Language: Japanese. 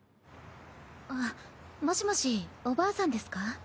あっもしもしおばあさんですか？